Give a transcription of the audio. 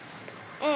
うん。